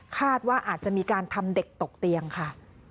คาดว่าอาจจะมีการทำเด็กตกเตียงค่ะ